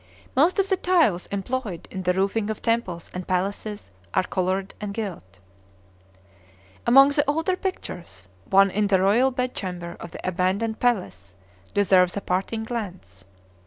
Most of the tiles employed in the roofing of temples and palaces are colored and gilt. [Illustration: SPIRE OF THE TEMPLE WATT POH.] Among the older pictures, one in the Royal bedchamber of the abandoned palace deserves a parting glance.